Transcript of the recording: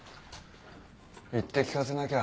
言って聞かせなきゃ。